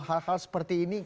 hal hal seperti itu